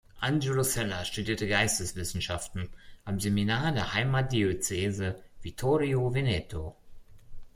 Angelo Cella studierte Geisteswissenschaften am Seminar der Heimatdiözese Vittorio Veneto.